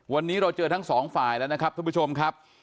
วันนี้เราเจอทั้งสองฝ่ายแล้วนะครับท่านผู้ชมครับ